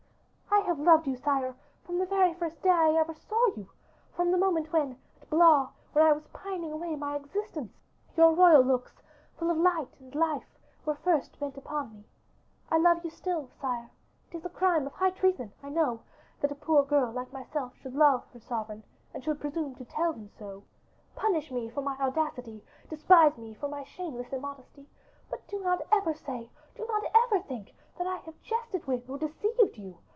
"I have loved you, sire, from the very first day I ever saw you; from the moment when at Blois, where I was pining away my existence, your royal looks, full of light and life, were first bent upon me. I love you still, sire; it is a crime of high treason, I know, that a poor girl like myself should love her sovereign, and should presume to tell him so. Punish me for my audacity, despise me for my shameless immodesty; but do not ever say, do not ever think, that I have jested with or deceived you.